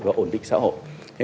và ổn định xã hội